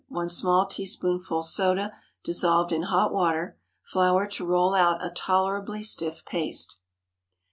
1 small teaspoonful soda dissolved in hot water. Flour to roll out a tolerably stiff paste.